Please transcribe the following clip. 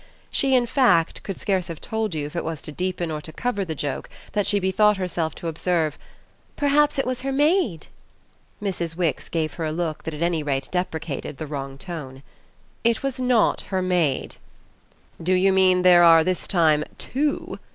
She in fact could scarce have told you if it was to deepen or to cover the joke that she bethought herself to observe: "Perhaps it was her maid." Mrs. Wix gave her a look that at any rate deprecated the wrong tone. "It was not her maid." "Do you mean there are this time two?"